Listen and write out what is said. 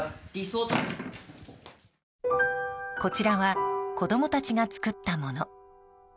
こちらは子供たちが作ったもの。